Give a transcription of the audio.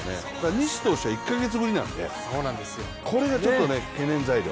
西投手は１か月ぶりなのでこれがちょっと懸念材料。